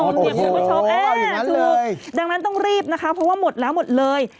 คุณผู้ชมถูกดังนั้นต้องรีบนะคะเพราะว่าหมดแล้วหมดเลย